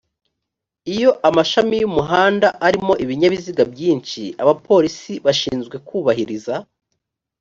iyo amashami y umuhanda alimo ibinyabiziga byinshi abapolisi bashinzwe kubahiriza